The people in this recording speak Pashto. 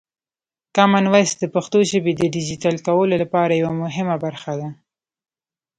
کامن وایس د پښتو ژبې د ډیجیټل کولو لپاره یوه مهمه برخه ده.